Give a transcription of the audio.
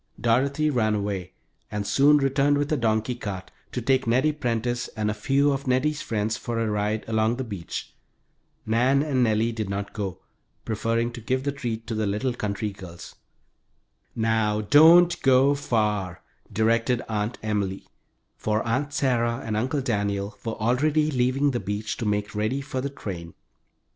Dorothy ran away and soon returned with her donkey cart, to take Nettie Prentice and a few of Nettie's friends for a ride along the beach. Nan and Nellie did not go, preferring to give the treat to the little country girls. "Now don't go far," directed Aunt Emily, for Aunt Sarah and Uncle Daniel were already leaving the beach to make ready for the train.